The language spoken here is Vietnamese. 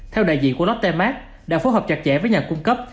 theo đại diện của lotte mark đã phối hợp chặt chẽ với nhà cung cấp